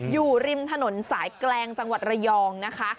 อยู่ริมถนนสายแกลงจังหวัดระยองนะคะ